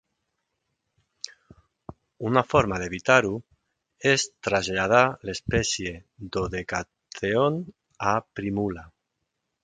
Una forma d'evitar-ho és traslladar l'espècie "Dodecatheon" a "Primula".